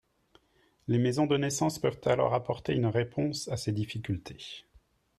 Les maisons de naissance peuvent alors apporter une réponse à ces difficultés.